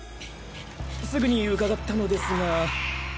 すぐに伺ったのですが。